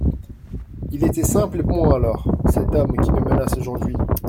Il était simple et bon alors, cet homme qui me menace aujourd'hui.